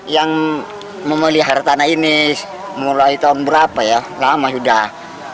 yang memelihara tanah ini mulai tahun berapa ya lama sudah